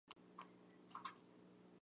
仕至湖广按察使司副使。